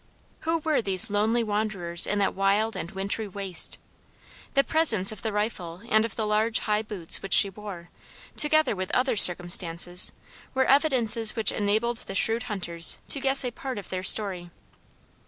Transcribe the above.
Who were these lonely wanderers in that wild and wintry waste! The presence of the rifle and of the large high boots which she wore, together with other circumstances, were evidences which enabled the shrewd hunters to guess a part of their story.